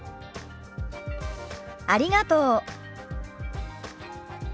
ありがとう。